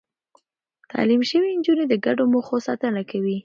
تعليم شوې نجونې د ګډو موخو ساتنه کوي.